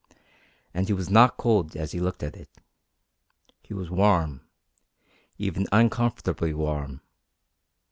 And he was not cold as he looked at it. He was warm, even uncomfortably warm.